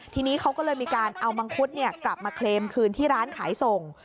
ทีนี้เขาก็เลยมีการเอามังคุดกลับมาเคลมคืนที่ร้านขายส่ง